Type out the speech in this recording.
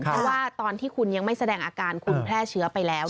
เพราะว่าตอนที่คุณยังไม่แสดงอาการคุณแพร่เชื้อไปแล้ว